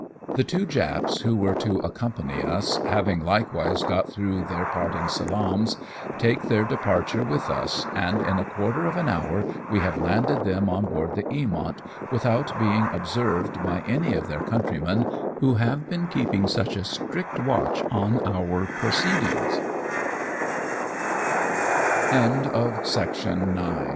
The two Japs who were to accompany us having likewise got through their parting salaams, take their departure with us ; and in a quarter of an hour we have landed them on board the Eamont, without being observed by any of their countrymen who have been keeping such a strict w